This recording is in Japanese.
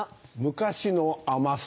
「昔」の「甘さ」。